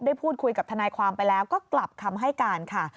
ได้พูดคุยกับทนายความไปแล้วก็กลับคำให้การค่ะ